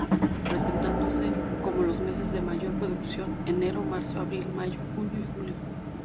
Presentándose como los meses de mayor producción enero, marzo, abril, mayo, junio y julio.